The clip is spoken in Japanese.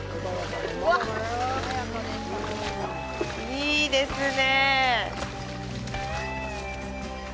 いいですね。